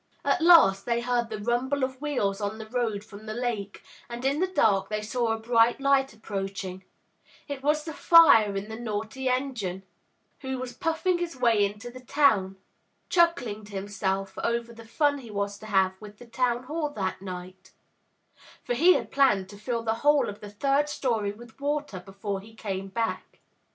At last they heard the rumble of wheels on the road from the lake, and in the dark they saw a bright light approaching; it was the fire in the naughty engine, who was puffing his way into the town, chuckling to himself over the fun he was to have with the Town Hall that night; for he had planned to fill the whole of the third story with water before he came back.